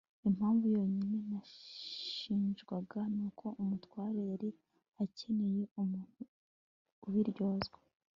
impamvu yonyine nashinjwaga nuko umutware yari akeneye umuntu ubiryozwa